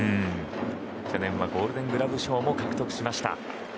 去年はゴールデングラブ賞も獲得しました。